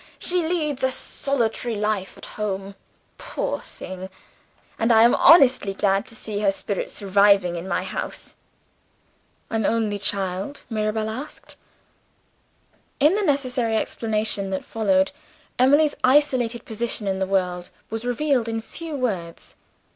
She leads a solitary life at home, poor thing; and I am honestly glad to see her spirits reviving in my house." "An only child?" Mirabel asked. In the necessary explanation that followed, Emily's isolated position in the world was revealed in few words.